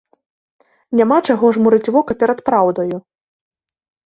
Няма чаго жмурыць вока перад праўдаю.